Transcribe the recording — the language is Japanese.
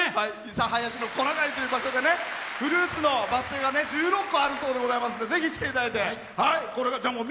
諫早市の小長井っていう場所でフルーツのバス停が１６個あるそうでございましてぜひ来ていただいて。